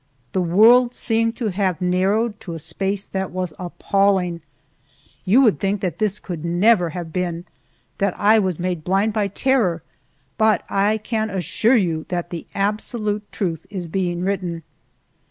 The world seemed to have narrowed to a space that was appalling! You will think that this could never have been that I was made blind by terror but I can assure you that the absolute truth is being written.